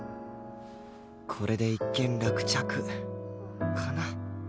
これで一件落着かな？